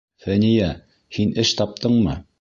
Фәниә, һин эш таптыңмы?